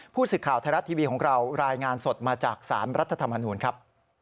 ผู้สื่อข่าวไทยรัฐทีวีของเรารายงานสดมาจากสารรัฐธรรมนูลครับ